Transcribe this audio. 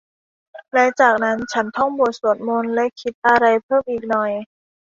และจากนั้นฉันท่องบทสวดมนต์และคิดอะไรเพิ่มอีกหน่อย